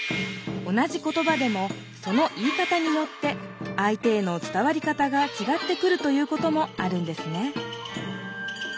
同じ言葉でもその言い方によってあい手への伝わり方がちがってくるということもあるんですね